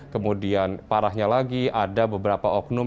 kemudian parahnya lagi ada beberapa oknum